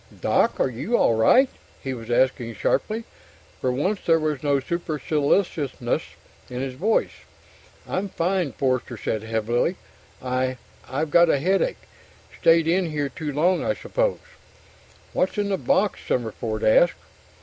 "Doc! Are you all right?" he was asking sharply. For once, there was no superciliousness in his voice. "I'm fine," Forster said heavily. "I I've got a headache. Stayed in here too long, I suppose." "What's in the box?" Summerford asked.